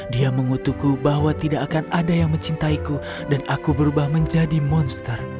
dia mengutukku bahwa tidak akan ada yang mencintaiku dan aku berubah menjadi monster